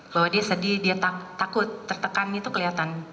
bahwa dia sedih dia takut tertekan itu kelihatan